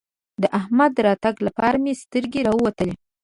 د احمد د راتګ لپاره مې سترګې راووتلې.